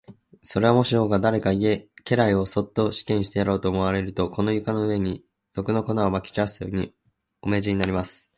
それは、もし王が誰か家来をそっと死刑にしてやろうと思われると、この床の上に、毒の粉をまき散らすように、お命じになります。